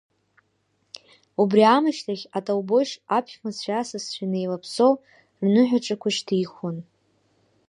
Убри аамышьҭахь, атолбошь аԥшәмацәеи асасцәеи неилаԥсо рныҳәаҿақәа шьҭихуан.